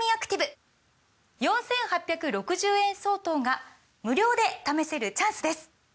４，８６０円相当が無料で試せるチャンスです！